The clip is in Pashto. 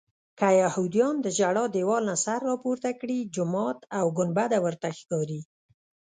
که یهودیان د ژړا دیوال نه سر راپورته کړي جومات او ګنبده ورته ښکاري.